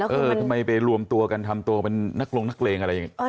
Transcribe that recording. เออทำไมไปรวมตัวกันทำตัวเป็นนักลงนักเลงอะไรอย่างนี้